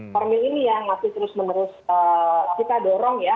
formil ini yang masih terus menerus kita dorong ya